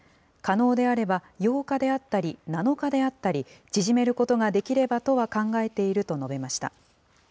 可能であれば、８日であったり、７日であったり、縮めることができればとは考えていると述べました。